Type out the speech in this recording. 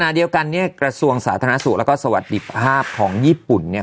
เดียวกันเนี่ยกระทรวงสาธารณสุขแล้วก็สวัสดีภาพของญี่ปุ่นเนี่ย